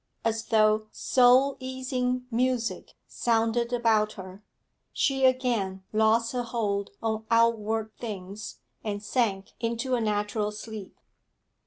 As though soul easing music sounded about her, she again lost her hold on outward things and sank into a natural sleep.